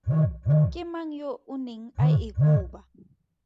Ke mang yo o neng a e koba?